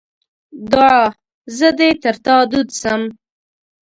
دوعا: زه دې تر تا دود سم.